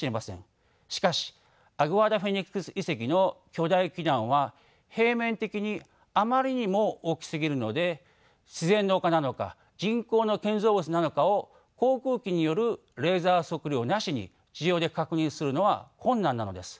しかしアグアダ・フェニックス遺跡の巨大基壇は平面的にあまりにも大きすぎるので自然の丘なのか人工の建造物なのかを航空機によるレーザー測量なしに地上で確認するのは困難なのです。